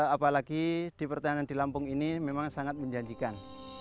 apalagi di pertanian di lampung ini memang sangat menjanjikan